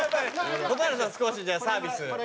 蛍原さん少しじゃあサービス。